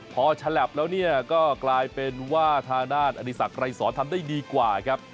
พอฉลับแล้วเนี่ยก็กลายเป็นว่าทางด้านอดีศักดรายสอนทำได้ดีกว่าครับ